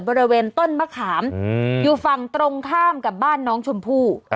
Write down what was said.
บริเวณต้นมะขามอยู่ฝั่งตรงข้ามกับบ้านน้องชมพู่